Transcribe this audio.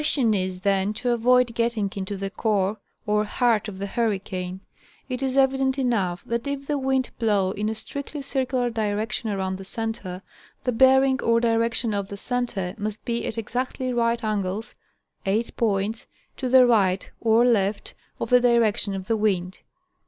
tion is, then, to avoid getting into the core, or heart, of the hur ricane. It is evident enough that if the wind blow in a strictly SSS SSS A ship in the heart of a cyclone. From Reid's " Law of Storms." circular direction around the center, the bearing or direction of the center must be at exactly right angles (eight points) to the right (or left) of the direction of the wind.